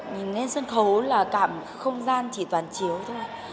nhìn lên sân khấu là cảm không gian chỉ toàn chiếu thôi